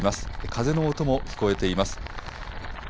風の音も聞こえています。